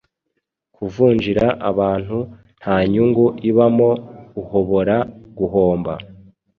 Kuvunjira abantu ntanyungu ibamo uhobora guhomba